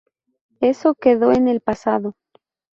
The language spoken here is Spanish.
Eso quedó en el pasado.